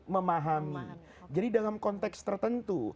memahami jadi dalam konteks tertentu